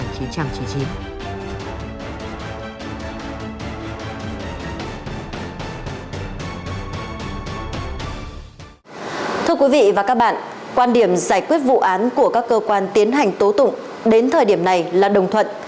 thưa quý vị và các bạn quan điểm giải quyết vụ án của các cơ quan tiến hành tố tụng đến thời điểm này là đồng thuận